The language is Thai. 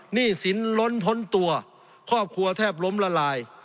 หนี้สินล้นพ้นตัวครอบครัวแทบล้มละลาย